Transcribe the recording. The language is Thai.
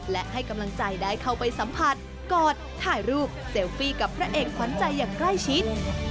และให้กำลังใจได้เข้าไปสัมผัสกอดถ่ายรูปเซลฟี่กับพระเอกขวัญใจอย่างใกล้ชิด